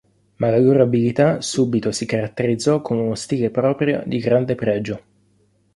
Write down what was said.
Ma la loro abilità subito si caratterizzò con uno stile proprio di grande pregio.